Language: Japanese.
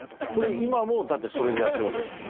今もだってそれでやってるわけですもんね。